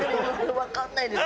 わかんないです。